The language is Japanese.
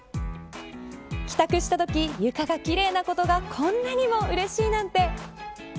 帰宅したとき、床が奇麗なことがこんなにも、うれしいなんて。